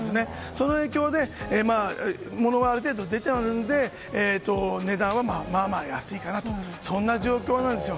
その影響で物がある程度出ているので値段はまあまあ安いかなという状況なんですよ。